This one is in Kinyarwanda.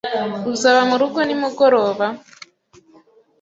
Uzaba murugo nimugoroba?